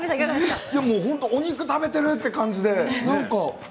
お肉、食べてるという感じで。